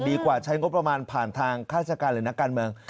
กว่าใช้งบประมาณผ่านทางราชการหรือนักการเมือง